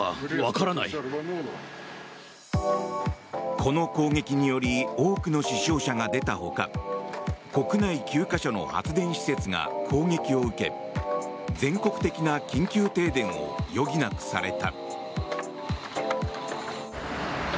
この攻撃により多くの死傷者が出た他国内９か所の発電施設が攻撃を受け全国的な緊急停電を余儀なくされた。